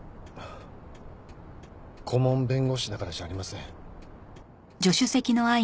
顧問弁護士だからじゃありません。